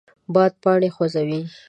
باد پاڼې خوځوي